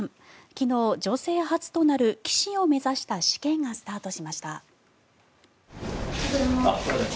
昨日、女性初となる棋士を目指した試験がスタートしました。